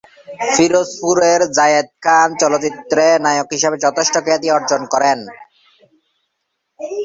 পিরোজপুরের জায়েদ খান চলচ্চিত্রে নায়ক হিসেবে যথেষ্ট খ্যাতি অর্জন করেন।